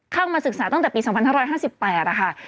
เข้ามาศึกษาตั้งแต่ปี๒๕๕๘นะคะ